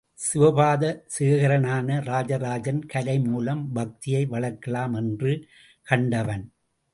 சிவபாத சேகரனான ராஜராஜன் கலை மூலம் பக்தியை வளர்க்கலாம் என்று கண்டவன்.